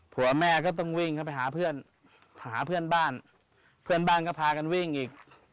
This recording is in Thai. ผัวแม่ก็ต้องวิ่งเข้าไปหาเพื่อนหาเพื่อนบ้านเพื่อนบ้านก็พากันวิ่งอีก